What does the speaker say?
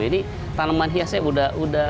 ini tanaman hiasnya udah udah